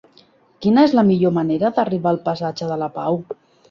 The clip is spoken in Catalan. Quina és la millor manera d'arribar al passatge de la Pau?